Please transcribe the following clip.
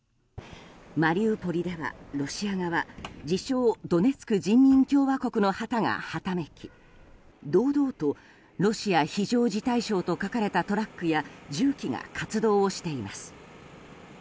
マリウポリでは、ロシア側自称ドネツク人民共和国の旗がはためき堂々とロシア非常事態省と書かれたトラックや重機が活動をしています。